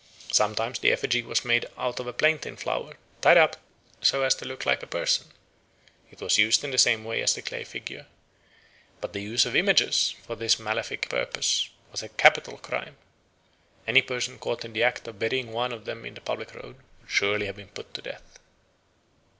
Sometimes the effigy was made out of a plantain flower tied up so as to look like a person; it was used in the same way as the clay figure. But the use of images for this maleficent purpose was a capital crime; any person caught in the act of burying one of them in the public road would surely have been put to death.